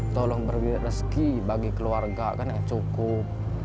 tolong beri rezeki bagi keluarga kan yang cukup